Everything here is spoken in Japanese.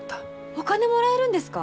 お金もらえるんですか？